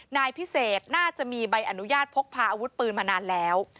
นายพิเศษน่าจะมีใบอนุญาตพกพาอาวุธปืนมานานแล้ว